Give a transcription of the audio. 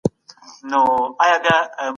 موږ غواړو چي د ځان وژنې ميزان معلوم کړو.